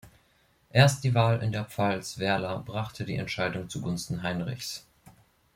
Erst die Wahl in der Pfalz Werla brachte die Entscheidung zu Gunsten Heinrichs.